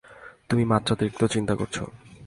তুমি মাত্রাতিরিক্ত চিন্তা করছো।